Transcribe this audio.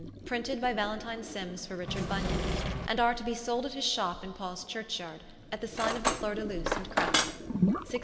Printed by Valentine Simmes for Richard Bonian, and are to be sold at his Shop in Paules Churchyard, at the Signe of the Floure de Luce and Crowne.